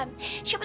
kamu semua sama era